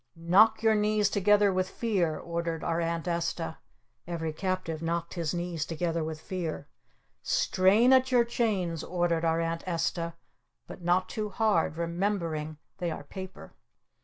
"Knock your knees together with fear!" ordered our Aunt Esta. Every captive knocked his knees together with fear. "Strain at your chains!" ordered our Aunt Esta. "But not too hard! Remembering they are paper!"